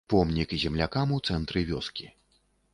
Помнік землякам у цэнтры вёскі.